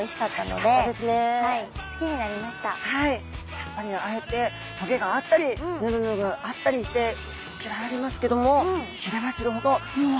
やっぱりああやってトゲがあったりヌルヌルあったりして嫌われますけども知れば知るほどうわ